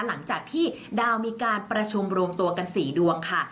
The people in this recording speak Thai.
หลังจากที่ดาวมีการประชุมรวมตัวกัน๔ดวงค่ะ